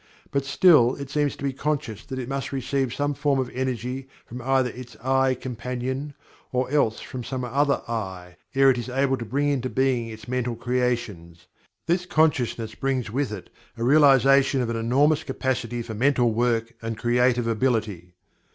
But still it seems to be conscious that it must receive some form of energy from either its "I" companion, or else from some other "I" ere it is able to bring into being its mental creations. This consciousness brings with it a realization of an enormous capacity for mental work and creative ability.